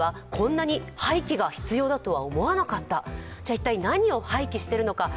一体何を廃棄しているのか。